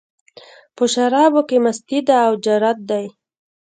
په شرابو کې مستي ده، او جرت دی